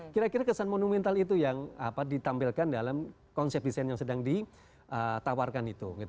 kira kira kesan monumental itu yang ditampilkan dalam konsep desain yang sedang ditawarkan itu